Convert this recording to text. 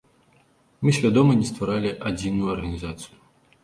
Мы свядома не стваралі адзіную арганізацыю.